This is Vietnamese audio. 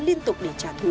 liên tục để trả thù